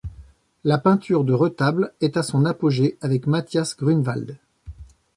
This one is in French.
La peinture de retable est à son apogée avec Matthias Grünewald.